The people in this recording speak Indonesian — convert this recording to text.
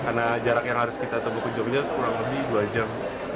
karena jarak yang harus kita temukan jogja kurang lebih dua jam